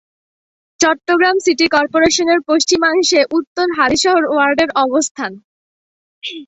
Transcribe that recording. Chittagong city কর্পোরেশনের পশ্চিমাংশে উত্তর হালিশহর ওয়ার্ডের অবস্থান।